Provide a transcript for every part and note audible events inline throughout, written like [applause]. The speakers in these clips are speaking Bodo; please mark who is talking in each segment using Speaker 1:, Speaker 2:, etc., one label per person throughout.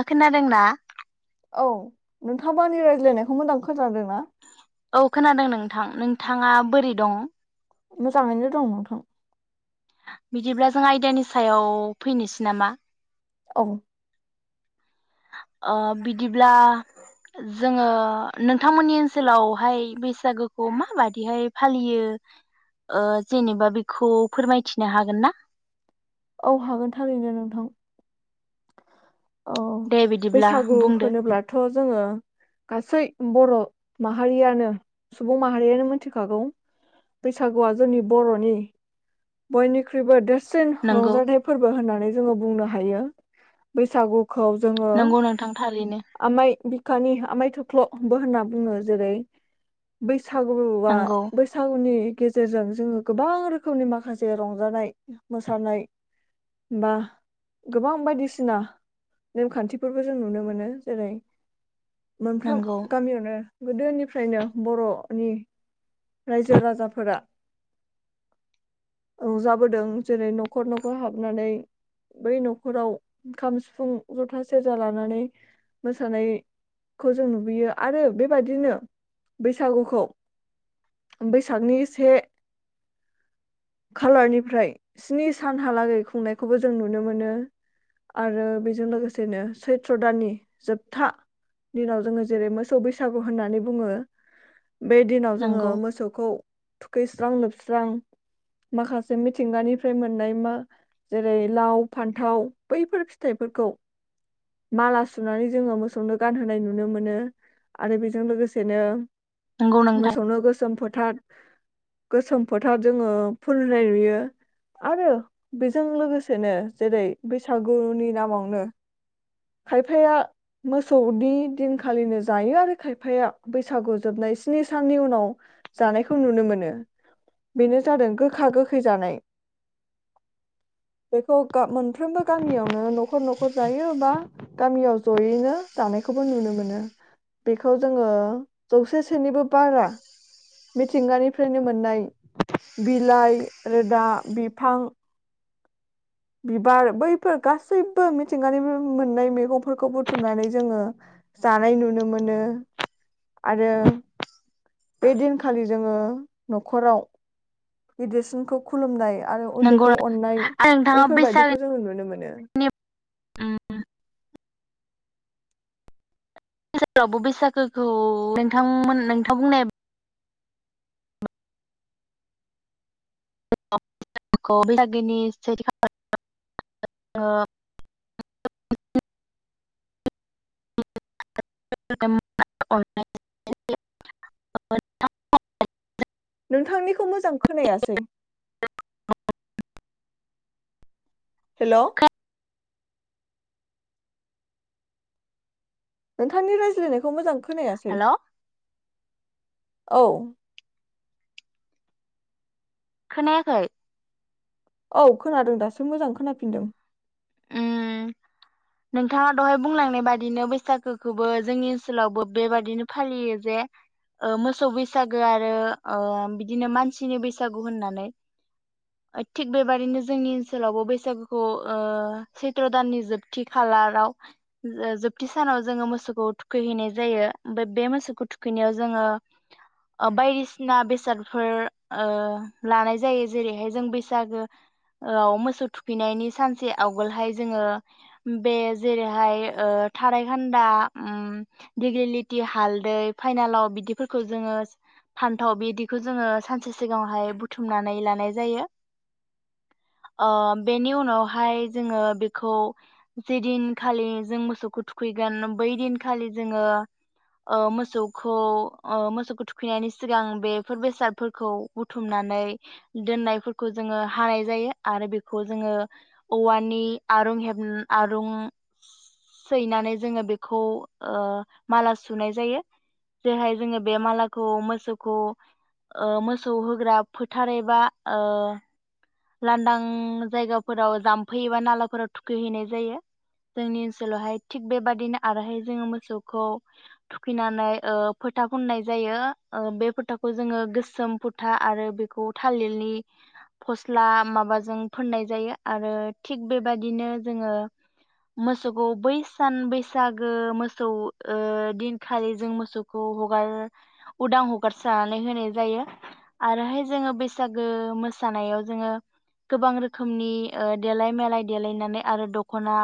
Speaker 1: ओ खोनादोंना
Speaker 2: औ नोंथांमोननि रायज्लायनायखौ मोजां खोनादों।
Speaker 1: औ खोनादों नोंथां नों नोंथाङा बोरै दं?
Speaker 2: मोजाङैनो दं नोंथां
Speaker 1: बिदिब्ला जों आयदानि सायाव फैनोसै नामा
Speaker 2: औ
Speaker 1: ओ बिदिब्ला जोङो नोंथांमोननि ओनसोलावहाय बैसागोखौ माबादिहाय फालियो ओ जेनेबा बेखौ फोरमायथिनो हागोन ना
Speaker 2: औ हागोन थारैनो नोंथां। औ
Speaker 1: दे बिदिब्ला
Speaker 2: बैसागु
Speaker 1: बुंदो
Speaker 2: होनोब्लाथ' जोङो गासै बर' माहारियानो सुबुं माहारियानो मिथिखागौ बैसागुआ जोंनि बर'नि बयनिख्रुइबो देर सिन
Speaker 1: नंगौ
Speaker 2: रंजाथाइ फोरबो होननानै जोङो बुंनो हायो बैसागु खौ जोङो
Speaker 1: नंगौ नोंथां थारैनो
Speaker 2: आमाय खानि आमाय थुख्ल'बो होनना बुङो जेरै बै बैसागुआ
Speaker 1: नंगौ
Speaker 2: बैसागुनि गेजेरजों जोङो गोबां रोखोमनि माखासे रंजानाय मोसानाय बा गोबां बायदिसिना नेम खान्थिफोरखौ जों नुनो मोनो जेरै मोनफ्रोम
Speaker 1: नंगौ
Speaker 2: गामियावनो गोदोनिफ्रायनो बर'नि रायजो राजाफोरा रंजाबोदों जेरै न'खर न'खर हाबनानै बै नख हराव खाम सिफुं जथा सेरजा लानानै मोसानायखौ जों नुबोयो आरो बेबायदिनो बैसागुखौ बैसागनि से खालारनिफ्राय स्नि सानहालागै खुंनायखौबो जों नुनो मोनो आरो बेजों लोगोसेनो सैथ्र' दाननि जोबथा दिनाव जोङो जेरै मोसौ बैसागु होननानै बुङो। बे दिनाव जोङो
Speaker 1: नंगौ
Speaker 2: मोसौखौ थुखैस्रां लोबस्रां माखासे मिथिंगानिफ्राय मोननाय मा जेरै लाव फान्थाव बैफोर फिथाइफोरखौ माला सुनानै जोङो मोसौनो गानहोनाय नुनो मोनो। आरो बेजों लोगोसेनो
Speaker 1: नंगौ नोंथां
Speaker 2: मोसौनो गोसोम फोथार गोसोम फोथार जोङो फोननाय नुयो आरो बेजों लोगोसेनो जेरै बैसागुनि नामावनो खायफाया मोसौनि दिनखालिनो जायो आरो खायफाया बैसागु जोबनाय स्नि साननि उनाव जानायखौ नुनो मोनो बेनो जादों गो गोखा गोखै जानाय मोनफ्रोमबो गामियावनो न'खर न'खर जायोबा। गामियाव जयैनो जानायखौबो नुनो मोनो बेखौ जोङो जौसेसोनिबो बारा मिथिंगानिफ्रायनो मोननाय बिलाइ रोदा बिफां बिबार बैफोर गासैबो मिथिंगानि मोननाय मैगंफोरखौ बुथुमनानै जोङो जानाय नुनो मोनो। आरो बे दिनखालि जोङो। न'खराव गिदिरसिनखौ खुलुमनाय आरो
Speaker 1: नंगौ
Speaker 2: उन्दैखौ अननाय
Speaker 1: आरो नोंथाङा
Speaker 2: बैफोरबादिखौ
Speaker 1: बैसागोनि
Speaker 2: जोङो नुनो मोनो।
Speaker 1: ओम बैसागोआवबो बैसागोखौ नोंथांमोन नोंथां बुंनाय। [unintelligible]
Speaker 2: नोंथांनिखौ मोजां खोनायासै हेलौ नोंथांनि रायज्लायनायखौ मोजां खोनायासै। औ
Speaker 1: खोनायाखै
Speaker 2: औ खोनादों दासो मोजां खोनाफिनदों।
Speaker 1: ओम नोंथाङा दहाय बुंलांनाय बादिनो बैसागोखौबो जोंनि ओनसोलावबो बेबादिनो फालियो जे मोसौ बैसागो आरो बिदिनो मानसिनि बैसागु होननानै थिग बेबादिनो जोंनि ओनसोलावबो बैसागुखौ सैथ्र' दाननि जोबथि खालाराव जोबथि सानाव जोङो मोसौखौ थुखैहैनाय जायो ओमफ्राय बे मोसौखौ थुखैनायाव जोङो बायदिसिना बेसादफोर ओ लानाय जायो जेरैहाय जों बैसागोआव मोसौ थुखैनायनि सानसे आवगोलहाय जोङो बे जेरैहाय ओ थारायखान्दा उ दिग्रिलिटि हालदै फाइनालाव बिदिफोरखौ जोङो फान्थाव बिदिखौ जोङो सानसे सिगाङावहाय बुथुमनानै लानाय जायो ओ बेनि उनावहाय जोङो बेखौ जे दिनखालि जों मोसौखौ थुखैगोन बै दिनखालि जोङो ओ मोसौखौ मोसौखौ ओ थुखैनायनि सिगां बेफोर बेसादफोरखौ बुथुमनानै दोननायफोरखौ जोङो हानाय जायो आरो बेखौ जोङो औवानि आरुं हेब आरुं सैनानै जोङो बेखौ माला सुनाय जायो जेरहाय जोङो बे मालाखौ मोसौखौ मोसौ होग्रा फोथार एबा ओ लांदां जायगाफोराव जाम्फै एबा नालाफोराव थुखैहैनाय जायो जोंनि ओनसोलावहाय थिग बेबादिनो आरोहाय जोङो मोसौखौ थुखैनानै फोथा फुननाय जायो बे फोथाखौ जोङो गोसोम फोथा आरो बेखौ थालिरनि फस सिस्ला माबाजों फोननाय जायो आरो थिग बेबायादिनो जोङो मोसौखौ बै सान बैसागो मोसौ ओ दिनखालि जों मोसौखौ हगार उदां हगारसारनानै होनाय जायो आरोहाय जोङो बैसागो मोसानायाव जोङो गोबां रोखोमनि ओ देलाय मेलाय देलायनानै आरो दखना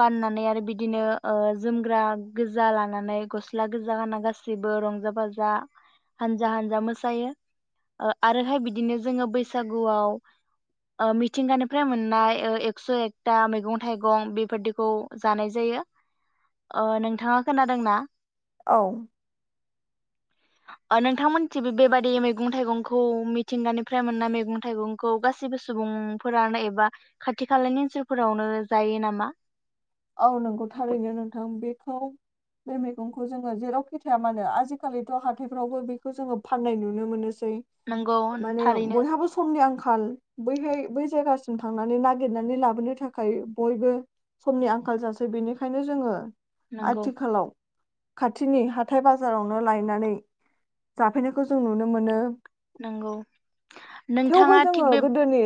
Speaker 1: गाननानै आरो बिदिनो ओ जोमग्रा गोजा लानानै गस्ला गोजा गाना गागसैबो रंजा बाजा हानजा हानजा मोसायो आरोहाय बिदिनो जोङो बै बैसागुआव ओ मिथिंगानिफ्राय मोननाय ओ एकस' एकथा मैगं थाइगं बेबदिखौ जानाय जायो ओ नोंथाङा खोनादोंना
Speaker 2: औ
Speaker 1: नोंथांमोनथिं बेबादि मैगं थाइगंखौ मिथिंगानिफ्राय मोनना मैगं थाइगंखौ गासिबो सुबुंफोरानो एबा खाथि खालानि ओनसोलफोरावनो जायो नामा
Speaker 2: औ नोंगौ थारैनो नोंथां बेखौ बे मैगंखौ जोङो जेराव खिथाया मानो आजिखालिथ' हाथायफ्रावबो बेखौ जोङो फाननाय नुनो मोनो
Speaker 1: नंगौ
Speaker 2: माने
Speaker 1: थारैनो
Speaker 2: बयहाबो समनि आ आंखाल बैहाय बै जायगासिम थांनानै नागिरनानै लाबोनो थाखाय बयबो समनि आं आंखाल जासै बेनिखायनो जोङो
Speaker 1: नंगौ
Speaker 2: आथिखालाव खाथिनि हाथाय बाजारावनो लायनानै जाफैनायखौ जों नुनो मोनो
Speaker 1: नंगौ
Speaker 2: थेवबो
Speaker 1: नोंथाङा
Speaker 2: जोङो
Speaker 1: थिग बे
Speaker 2: गोदोनि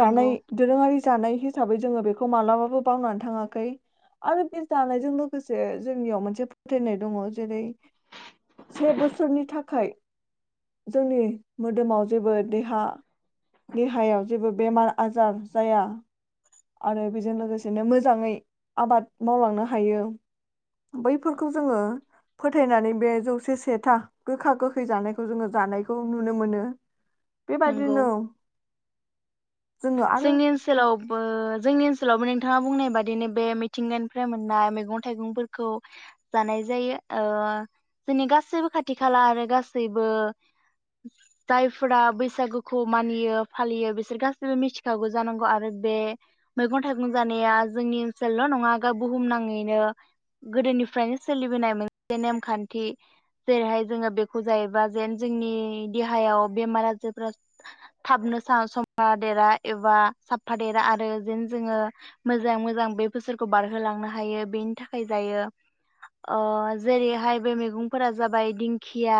Speaker 2: जानाय
Speaker 1: नंगौ
Speaker 2: दोरोङारि जानाय हिसाबै जोङो बेखौ मालाबाबो बावनानै थाङा खैर आरो बे जानायजों लोगोसे जोंनियाव मोनसे फोथायनाय दङ जेरै से बोसोरनि थाखाय जोंनि मोदोमाव जेबो देहा देहायाव जेबो बेमार आजार जाया आरो बेजों लोगोसेनो मोजाङै आबाद मावलांनो हायो बैफोरखौ जोङो फोथायनानै बे जौसे सेथा गोखा गोखै जानायखौ जोङो जानायखौ नुनो मोनो बे
Speaker 1: नंगौ
Speaker 2: बादिनो
Speaker 1: जोंनि ओनसोलावबो जोंनि ओनसोलावबो नोंथाङा बुंनाय बादिनो बे मिथिंगानिफ्राय मोननाय मैगं थाइगंफोरखौ जानाय जायो ओ जोंनि गासैबो खाथि खाला आरो गासैबो जायफोरा बैसागुखौ मानियो फालियो बिसोर गा बो मिथिखागौ जानांगौ आरो बे मैगं थाइगं जानाया जोंनि ओनसोलल' नङा बुहुमनाङैनो गोदोनिफ्रायनो सोलिबोनाय मोनसे नेमखान्थि जेरैहाय जोङो बेखौ जायोबा जेन जोंनि देहायाव बेमार आजारफोरा थाबनो सम देरा एबा साफा देरा आरो जेन जोङो मोजांङै मोजां बे बोसोरखौ बारहोलांनो हायो बेनि थाखाय जायो ओ जेरैहाय बे मैगंफोरा जाबाय दिंखिया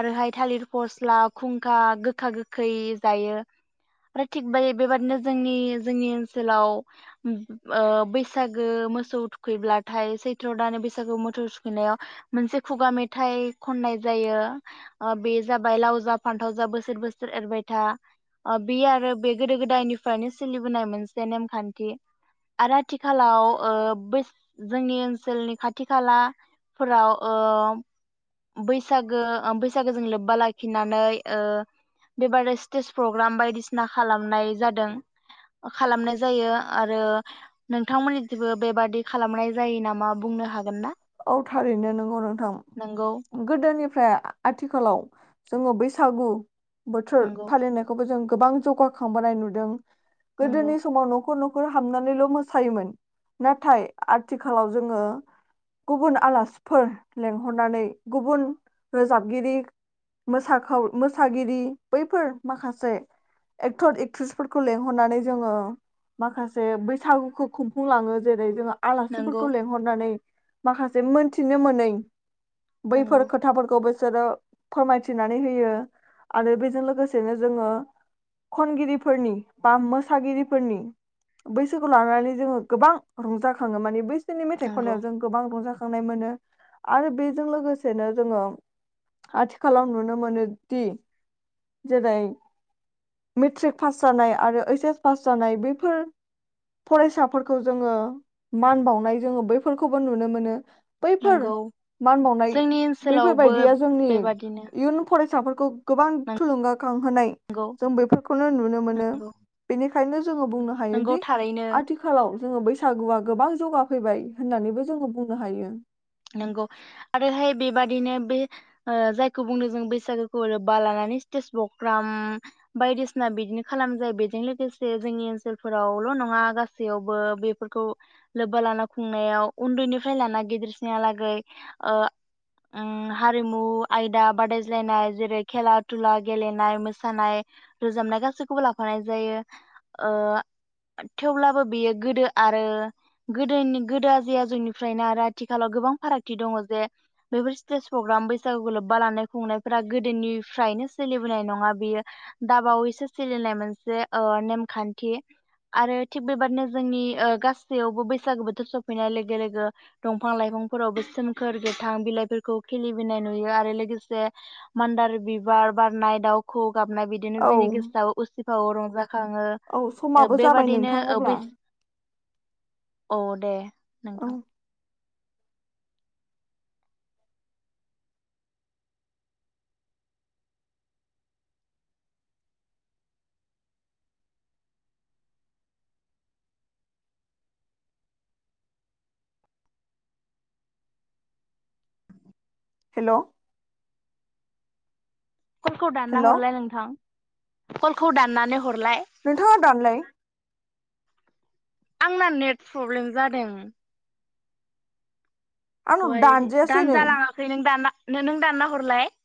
Speaker 1: आरोहाय थालिर फस्ला खुंखा गोखा गो खै जायो फ्राय थिग बा बेबादिनो जोंनि जोंनि ओनसोलाव ओ बैसागो मोसौ थुखैब्लाथाय सैथ्र दान बैसागो मोसौ थुखैनायाव मोनसे खुगा मेथाइ खननाय जायो बे जाबाय लाव जा फान्थाव जा बोसोर बोसोर एरबायथा बे आरो बे गोदो गोदायनिफ्रायनो सोलिबोनाय मोनसे नेमखान्थि आरो आथिखालाव ओ जोंनि ओनसोलनि खाथि खालाफोराव ओ बैसागो बैसागोजों लोब्बा लाखिनानै ओ बेबादि स्टेज प्रग्राम बायदिसिना खालामनाय जादों खालामनाय जायो आरो नोंथांमोननि जेबो बेबादि खालामनाय जायो नामा बुंनो हागोन ना
Speaker 2: औ थारैनो नोंगौ नोंथां
Speaker 1: नंगौ
Speaker 2: गोदोनि आथिखालाव जोङो बैसागु बोथोर
Speaker 1: नंगौ
Speaker 2: फालिनायखौबो जों गोबां जौगाखांबोनाय नुदों।
Speaker 1: नंगौ
Speaker 2: गोदोनि समाव न'खर न हाबनानैल' मोसायोमोन नाथाय आथिखालाव जोङो गुबुन आलासिफोर लेंंहरनानै गुबुन रोजाबगिरि मोसाखाव मोसागिरि बैफोर माखासे एक्टर एक्ट्रिसफोरखौ लिंहरनानै जोङो माखासे बैसागुखौ खुंफुंलाङो। जेरै जोङो
Speaker 1: नंगौ
Speaker 2: आलासिफोरखौ लिंहरनानै माखासे मोनथिनो मोनै
Speaker 1: नंगौ
Speaker 2: बैफोर खोथाफोरखौ बे बिसोरो फोरमायथिनानै होयो आरो बेजों लोगोसेनो जोङो खनगिरिफोरनि बा मोसागिरिफोरनि बैसोरखौ लानानै जोङो गोबां रंजाखाङो माने बै बिसोरनि मेथाइ
Speaker 1: नंगौ
Speaker 2: खनायाव जों रंजाखांनाय मोनो आरो बेजों लोगोसेनो जोङो आथिखालाव नुनो मोनो दि जेरै मेट्रिक पास जानाय आरो ओइस एस पास जानाय बैफोर फरायसाफोरखौ जोङो मान बावनाय जोङो बैफोरखौ खौबो नुनो मोनो। बैफोर
Speaker 1: नंगौ
Speaker 2: मान बावनाय
Speaker 1: जोंनि ओनसोलावबो
Speaker 2: बैफोरबायदिया जोंनि
Speaker 1: बेबादिनो
Speaker 2: इयुन फरायसा फिसाफोरखौ गोबां थुलुंगा खांहोनाय
Speaker 1: नंगौ
Speaker 2: जों बैफोरखौनो नुनो मोनो
Speaker 1: नंगौ
Speaker 2: बेनिखा [unintelligible] जोङो बुंनो
Speaker 1: नंगौ
Speaker 2: हायोदि
Speaker 1: थारैनो
Speaker 2: आथिखालाव जोङो बैसागुआ गोबां जौगाफैबाय होननानैबो जोङो बुंनो हायो।
Speaker 1: नंगौ आरोहाय बेबादिनो बे ओ जायखौ बुंदों जों बैसागोखौ लोब्बा लानानै स्टेज प्रग्राम बायदिसिना बिदिनो खालाम जायो बेजों लोगोसे जोंनि ओनसोलफोरावल' नङा गासैयावबो बेफोरखौ लोब्बा लाना खुंनायाव उन्दैनिफ्राय लाना गिदिर लागै ओ उम हारिमु आयदा बादायज्लायनाय जेरै खेला दुला गेलेनाय मोसानाय रोजाबनाय गासैखौबो लाफानाय जायो ओ थेवब्लाबो बेयो गोदो आरो गोदोनि गोदो आजै आजौनिफ्रायनो आरो आथिखाल आथिखालाव गोबां फारागथि दङ जे बेफोर स्टेज प्रग्राम बैसागुखौ लोब्बा लानाय खुंनायफोरा गोदोनिफ्रायनो सोलिबोनाय नङा बियो दाबावैसो सोलिनाय मोनसे ओ नेमखान्थि आरो थिग बेबादिनो जोंनि ओ गासैयावबो बैसागो बोथोर सफैनाय लोगो लोगो दंफां-लाइफांफोराव बे सोमखोर गोथां बिलाइफोरखौ खिलिबोननाय नुयो आरो लोगोसे मान्दार बिबार बारनाय दाउखौ गाबनाय बिदिनो
Speaker 2: औ
Speaker 1: जोंनि गोसोआव उसि औ रंजा
Speaker 2: औ समाबो जाबाय नोंथां
Speaker 1: ओ
Speaker 2: अब्ला
Speaker 1: बैसाग औ दे
Speaker 2: औ
Speaker 1: नोंथां
Speaker 2: हेल'
Speaker 1: खलखौ दानना
Speaker 2: हेल'
Speaker 1: हरलाय नोंथां कलखौ दाननानै हरलाय
Speaker 2: नोंथाङा दानलाय
Speaker 1: आंना नेट प्रब्लेम जादों
Speaker 2: आंनाव
Speaker 1: हय
Speaker 2: दानजायासै
Speaker 1: दान
Speaker 2: नै
Speaker 1: जालाङाखै नों दानना नो-नों दानना हरलाय